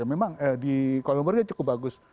memang di kuala lumpur kan cukup bagus